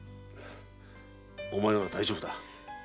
お前なら大丈夫だ。